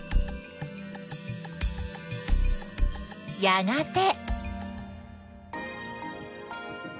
やがて。